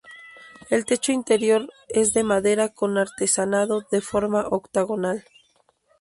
El techo interior es de madera con artesonado de forma octogonal.